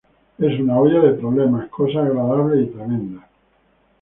Es una olla de problemas, cosas agradables y tremendas.